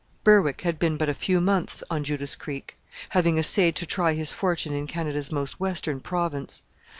Berwick had been but a few months on Judas Creek, having essayed to try his fortune in Canada's most western province.